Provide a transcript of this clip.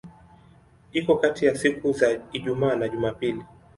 Iko kati ya siku za Ijumaa na Jumapili.